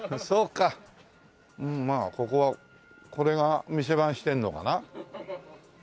うんまあここはこれが店番してんのかな？